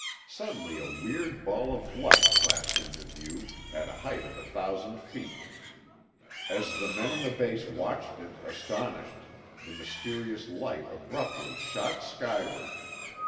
Suddenly a weird ball of light flashed into view, at a height of a thousand feet. As the men on the base watched it, astonished, the mysterious light abruptly shot skyward.